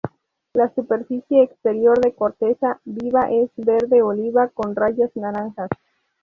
La superficie exterior de corteza viva es verde oliva con rayas naranjas.